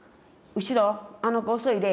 「後ろあの子遅いで」